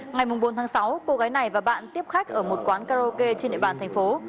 ngày bốn tháng sáu cô gái này và bạn tiếp khách ở một quán karaoke trên địa bàn thành phố